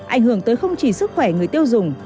ảnh hưởng tới không chỉ sức khỏe người tiêu dùng